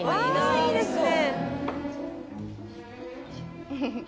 わぁいいですね